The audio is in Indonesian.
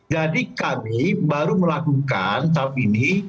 jadi kami baru melakukan saat ini